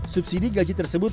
subsidi gaji tersebut